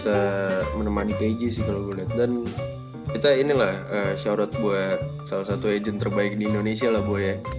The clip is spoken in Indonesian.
yang selalu menemani keiji sih kalau gue liat dan kita inilah shoutout buat salah satu agent terbaik di indonesia lah gue ya